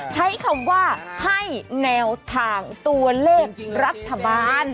ใช้คำว่าให้แนวทางตัวเลขรัฐบาล